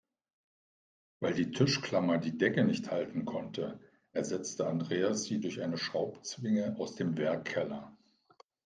Weil die Tischklammer die Decke nicht halten konnte, ersetzte Andreas sie durch eine Schraubzwinge aus dem Werkkeller.